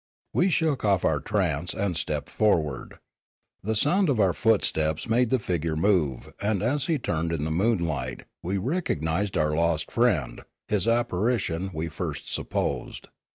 We shook off our trance, and stepped forward. The sound of our footsteps made the figure move and as he turned in the moonlight we recognised our lost friend (his apparition, we first supposed).